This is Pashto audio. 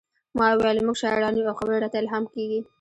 ما وویل موږ شاعران یو او خبرې راته الهام کیږي